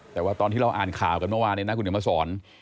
แต่ว่าตอนที่เราอ่านข่าวกันเมื่อวานเนี่ยนะคุณเดี๋ยวมาสอน